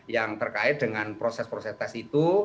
yang terkait dengan proses proses tes itu